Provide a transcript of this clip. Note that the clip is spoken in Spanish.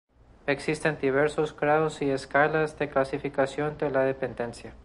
Existen diversos grados y escalas de calificación de la dependencia.